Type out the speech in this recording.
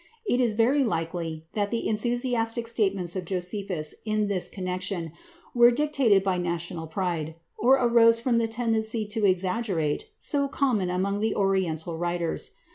It is very likely that the enthusiastic statements of Josephus in this connection were dictated by national pride, or arose from the tendency to exaggeration so common among the Oriental writers.